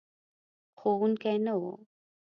ښوونکی نه و.